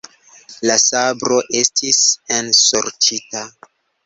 La sabro estis ensorĉita!